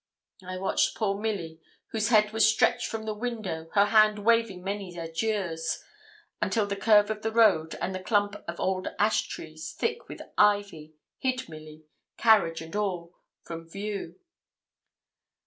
I watched poor Milly, whose head was stretched from the window, her hand waving many adieux, until the curve of the road, and the clump of old ash trees, thick with ivy, hid Milly, carriage and all, from view.